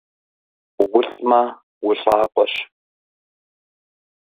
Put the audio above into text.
УлӀмэ, улӀакъуэщ.